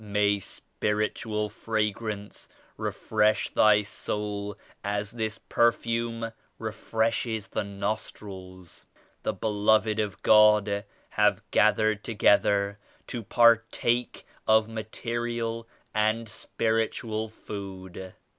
"May spiritual fragrance re fresh thy soul as this perfume refreshes the nostrils." "The Beloved of God have gathered together to partake of material and spiritual food."